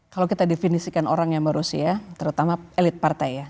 kalau kita definisikan orangnya mbak rosi terutama elit partai